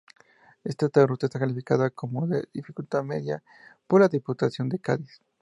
Esta ruta está calificada como de dificultad media por la Diputación de Cádiz.